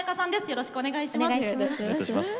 よろしくお願いします。